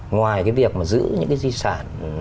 ngoài cái việc mà giữ những cái di sản